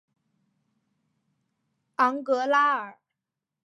昂格拉尔。